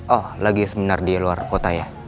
oh lagi seminar di luar kota ya